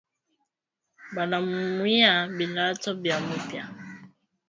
Banamuuwia bilato bya mupya